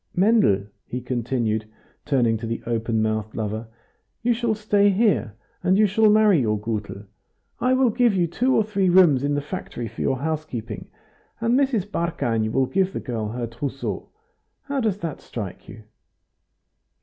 Mendel," he continued, turning to the open mouthed lover, "you shall stay here, and you shall marry your Gutel. I will give you two or three rooms in the factory for your housekeeping, and Mrs. Barkany will give the girl her trousseau. How does that strike you?"